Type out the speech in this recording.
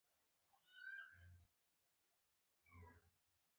بیزو د طبیعت له مهمو حیواناتو څخه ګڼل کېږي.